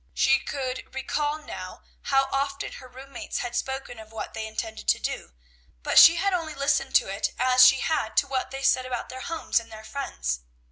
She could recall now how often her room mates had spoken of what they intended to do, but she had only listened to it as she had to what they said about their homes and their friends.